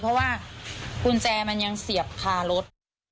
เพราะว่ากุญแจมันยังเสียบคารถ